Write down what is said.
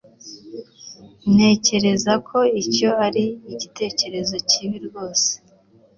Ntekereza ko icyo ari igitekerezo kibi rwose